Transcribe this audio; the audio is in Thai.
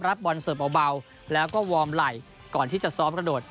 บอลเสิร์ฟเบาแล้วก็วอร์มไหล่ก่อนที่จะซ้อมกระโดด